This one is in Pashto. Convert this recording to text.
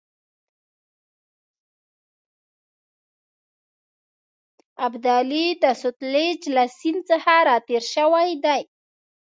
ابدالي د سوتلیج له سیند څخه را تېر شوی دی.